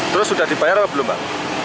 terus sudah dibayar apa belum pak